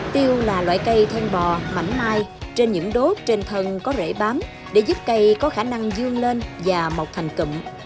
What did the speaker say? tiêu là loại cây then bò mảnh mai trên những đốt trên thân có rễ bám để giúp cây có khả năng dương lên và mọc thành cụm